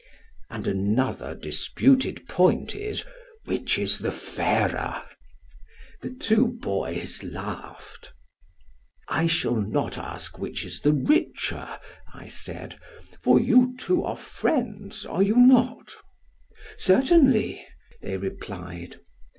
"'And another disputed point is, which is the fairer?' "The two boys laughed. "'I shall not ask which is the richer,' I said; 'for you two are friends, are you not?' "'Certainly,' they replied.